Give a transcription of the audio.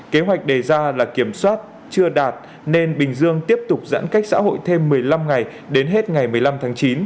kế hoạch đề ra là kiểm soát chưa đạt nên bình dương tiếp tục giãn cách xã hội thêm một mươi năm ngày đến hết ngày một mươi năm tháng chín